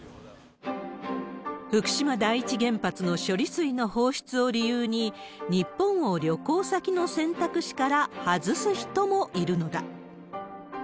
福島第一原発の処理水の放出を理由に、日本を旅行先の選択肢から外す人もいるのだ。